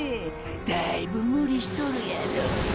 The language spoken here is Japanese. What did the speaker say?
だいぶムリしとるやろォ！！